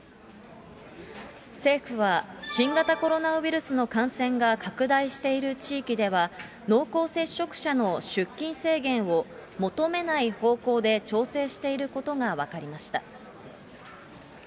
政府は新型コロナウイルスの感染が拡大している地域では、濃厚接触者の出勤制限を求めない方向で調整していることが分かりました。